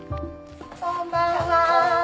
こんばんは。